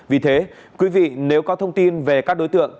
vì thế quý vị nếu có thông tin về các đối tượng